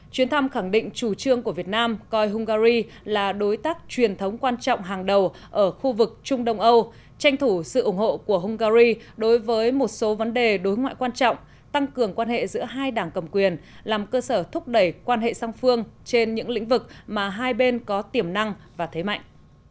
chuyến thăm khẳng định chủ trương của việt nam coi hungary là đối tác truyền thống quan trọng hàng đầu ở khu vực trung đông âu tranh thủ sự ủng hộ của hungary đối với một số vấn đề đối ngoại quan trọng tăng cường quan hệ giữa hai đảng cầm quyền làm cơ sở thúc đẩy quan hệ song phương trên những lĩnh vực mà hai bên có tiềm năng và thế mạnh